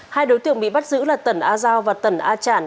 hai đối tượng bị bắt giữ là tần a giao và tần a trản